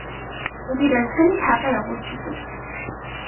এটি রাজধানী ঢাকায় অবস্থিত।